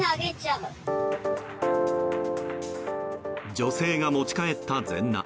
女性が持ち帰った、ゼンナ。